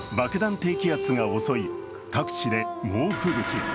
低気圧が襲い、各地で猛吹雪。